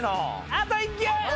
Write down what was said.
あと１球。